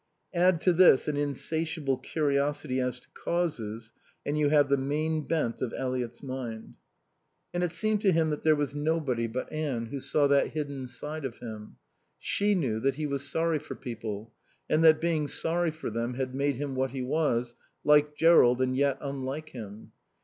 Add to this an insatiable curiosity as to causes, and you have the main bent of Eliot's mind. And it seemed to him that there was nobody but Anne who saw that hidden side of him. She knew that he was sorry for people, and that being sorry for them had made him what he was, like Jerrold and yet unlike him.